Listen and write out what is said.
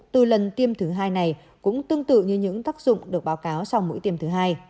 từ lần tiêm thứ hai này cũng tương tự như những tác dụng được báo cáo sau mũi tiêm thứ hai